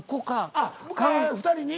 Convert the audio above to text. あっ２人に？